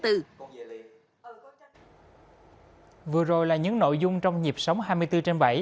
vừa rồi là những nội dung trong nhịp sống hai mươi bốn trên bảy